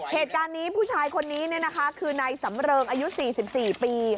เหตุการณ์นี้ผู้ชายคนนี้คือนายสำเริงอายุ๔๔ปี